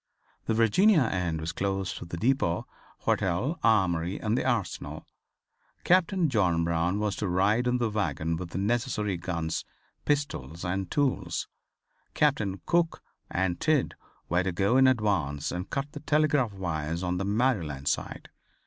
The Virginia end was close to the depot, hotel, Armory and the Arsenal. Captain John Brown was to ride in the wagon with the necessary guns, pistols and tools. Captains Cook and Tidd were to go in advance and cut the telegraph wires on the Maryland side.